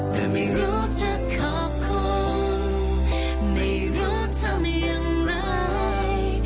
แต่ไม่รู้จะขอบคุณไม่รู้ทำอย่างไร